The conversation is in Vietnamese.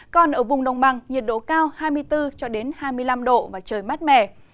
còn ở vùng đồng bằng nhiệt độ cao hai mươi bốn hai mươi năm độ và trời mát mẻ